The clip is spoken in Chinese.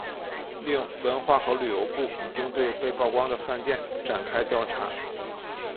另文化和旅游部已经对被曝光的饭店展开调查。